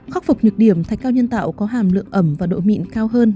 khắc phục nhược điểm thạch cao nhân tạo có hàm lượng ẩm và độ mịn cao hơn